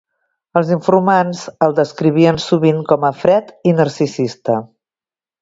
"Els informants el descrivien sovint com a fred i narcisista."